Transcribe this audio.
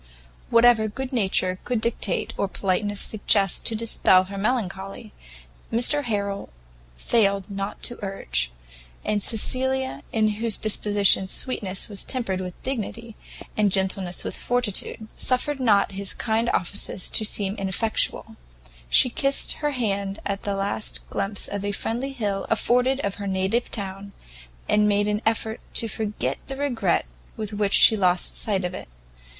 Whatever good nature could dictate or politeness suggest to dispel her melancholy, Mr Harrel failed not to urge; and Cecilia, in whose disposition sweetness was tempered with dignity, and gentleness with fortitude, suffered not his kind offices to seem ineffectual; she kissed her hand at the last glimpse a friendly hill afforded of her native town, and made an effort to forget the regret with which she lost sight of it.